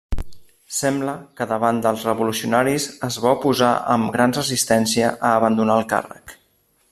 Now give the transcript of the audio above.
Sembla que davant dels revolucionaris es va oposar amb gran resistència a abandonar el càrrec.